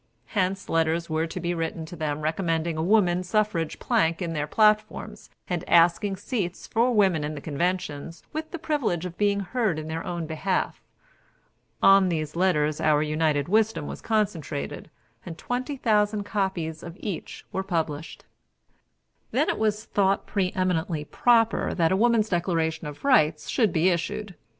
Hence letters were to be written to them recommending a woman suffrage plank in their platforms, and asking seats for women in the conventions, with the privilege of being heard in their own behalf. On these letters our united wisdom was concentrated, and twenty thousand copies of each were published. Then it was thought pre eminently proper that a Woman's Declaration of Rights should be issued.